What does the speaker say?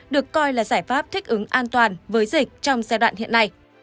được coi là giải pháp thích ứng an toàn với dịch trong giai đoạn hiện nay